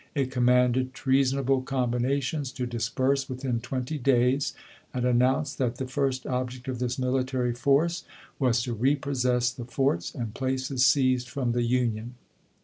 It commanded trea sonable combinations to disperse within twenty days, and announced that the first object of this military force was to repossess the forts and places seized from the Union.